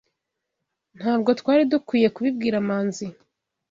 Ntabwo twari dukwiye kubibwira Manzi .